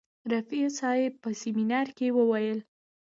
رفیع صاحب په سیمینار کې وویل.